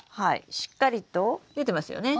しっかりと出てますよね。